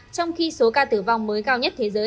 trong khi số ca tử vong mới cao nhất thế giới